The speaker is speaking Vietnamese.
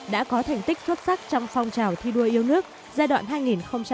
đã có thành tích xuất sắc trong phong trào thi đua yêu nước giai đoạn hai nghìn một mươi năm hai nghìn hai mươi